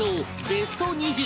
ベスト２０